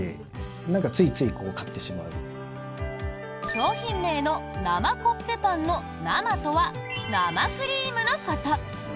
商品名の生コッペパンの「生」とは生クリームのこと！